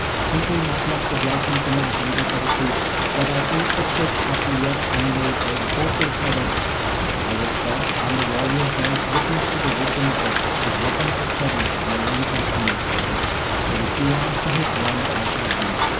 thinking I pluck the blossoms in my hunger for the fruit, that I eat the chick of the yet unlaid egg, O Feshnavat. As is said, and the warrior beareth witness to the wisdom of it: "His weapon I'll study; my own conceal; So with two arms to his one shall I deal."